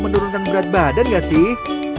menurunkan berat badan nggak sih